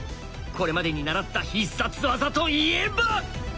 これまでに習った必殺技といえば！